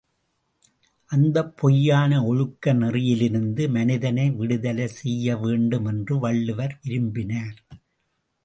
அந்தப் பொய்யான ஒழுக்க நெறியிலிருந்து மனிதனை விடுதலை செய்யவேண்டும் என்று வள்ளுவர் விரும்பினார்.